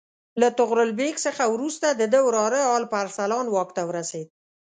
له طغرل بیګ څخه وروسته د ده وراره الپ ارسلان واک ته ورسېد.